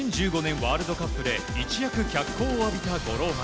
ワールドカップで一躍脚光を浴びた五郎丸。